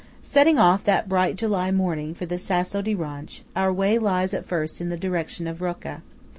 Setting off that bright July morning for the Sasso di Ronch, our way lies at first in the direction of Rocca.